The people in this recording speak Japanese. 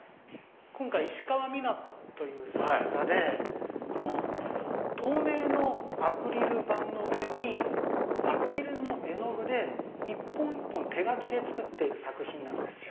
今回石川美奈子という作家で透明のアクリル板の上にアクリルの絵の具で一本一本手描きで作っている作品なんですよ。